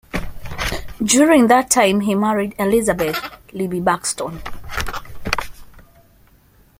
During that time, he married Elizabeth "Libbie" Buxton.